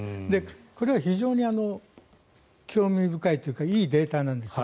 これは非常に興味深いというかいいデータなんですよ。